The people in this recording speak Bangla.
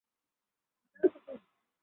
তিনি সচরাচর হার্বার্ট সাইমন নামে অভিহিত।